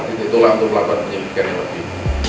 titik tolak untuk melakukan penyelidikan yang lebih